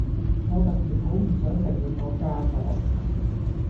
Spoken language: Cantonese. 我突然好唔想承認我嫁咗